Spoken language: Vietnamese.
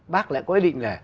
bác lại có ý định là